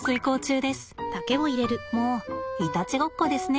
もういたちごっこですね。